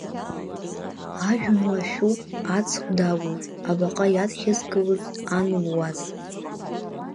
Ажәҩан лашәуп, аҵх дагәоуп, Абаҟа иадӷьазкылоит ан луаз.